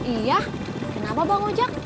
iya kenapa bang ojak